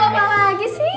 apa lagi sih